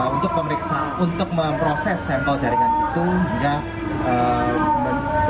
untuk memproses sampel jaringan itu hingga